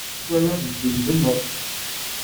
Akeffay-a tbeddel lbenna-nnes.